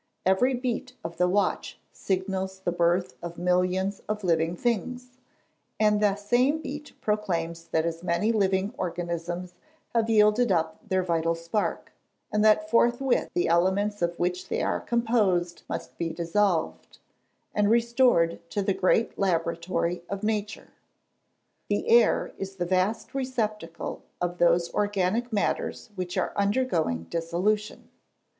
Every beat of the watch signals the birth of millions of living things, and the same beat proclaims that as many living organisms have yielded up their vital spark, and that forthwith the elements of which they are composed must be dissolved, and restored to the great laboratory of nature. The air is the vast receptacle of those organic matters which are undergoing dissolution.